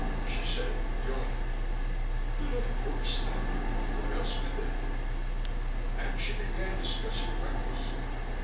She said, yawning, "But of course, Tom. What else could they do?" And she began discussing breakfast.